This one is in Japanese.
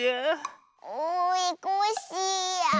おいコッシーや。